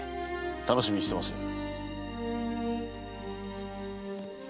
楽しみにしてますよ。